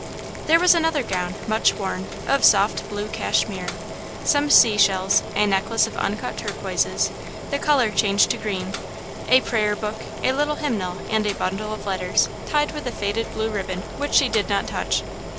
There was another gown, much worn, of soft blue cashmere, some sea shells, a necklace of uncut turquoises, the colour changed to green, a prayer book, a little hymnal, and a bundle of letters, tied with a faded blue ribbon, which she did not touch.